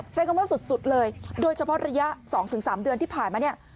ใช้คำว่าสุดเลยโดยเฉพาะระยะ๒๓เดือนที่ผ่านมาเนี่ย